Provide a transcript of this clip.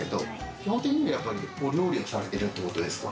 基本的にはお料理されてるってことですか？